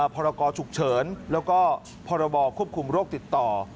พรกรฉุกเฉินแล้วก็พรบควบคุมโรคติดต่อ